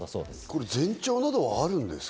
これは前兆などはあるんですか？